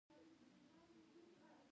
احمد ته د علي ټولې خبرې مسخرې وهل ښکاري.